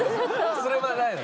それはないのね。